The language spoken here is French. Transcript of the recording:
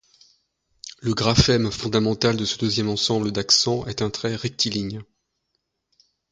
Le graphème fondamental de ce deuxième ensemble d'accents est un trait rectiligne.